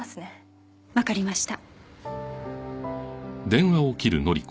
わかりました。